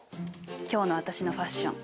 今日の私のファッション。